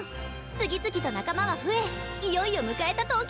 次々と仲間は増えいよいよ迎えた東京大会！